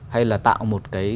hay là tạo một cái